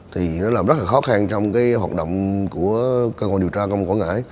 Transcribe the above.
thì nó làm rất là khó khăn trong hoạt động của công an điều tra công an quảng ngãi